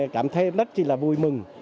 cảm thấy rất là vui mừng